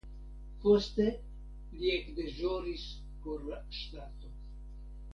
Poste li ekdeĵoris por la ŝtato.